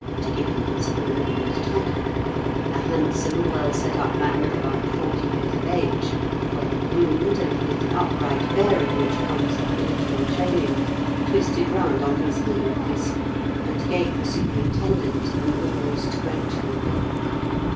to give him his full name and title a handsome, well set up man of about forty years of age, well groomed, and with the upright bearing which comes of military training, twisted round on his heel at this and gave the superintendent an almost grateful look.